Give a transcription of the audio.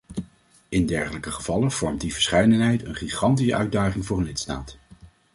In dergelijke gevallen vormt die verscheidenheid een gigantische uitdaging voor een lidstaat.